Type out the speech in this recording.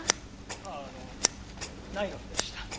あああのナイロンでした。